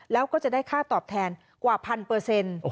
แล้วก็จะได้ค่าตอบแทนกว่าพันเปอร์เซ็นต์